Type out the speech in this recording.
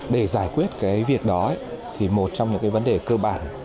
để giải quyết cái việc đó thì một trong những cái vấn đề cơ bản